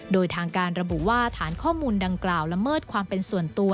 โดยทางการระบุว่าฐานข้อมูลดังกล่าวละเมิดความเป็นส่วนตัว